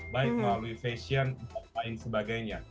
baik melalui fashion dan lain sebagainya